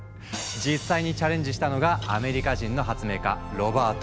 実際にチャレンジしたのがアメリカ人の発明家ロバート・ゴダード。